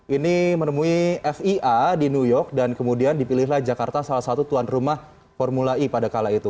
ini menemui fia di new york dan kemudian dipilihlah jakarta salah satu tuan rumah formula e pada kala itu